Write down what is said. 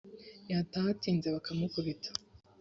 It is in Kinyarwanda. yataha atinze bakamukubita